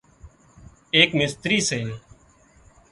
ايڪ مستري سي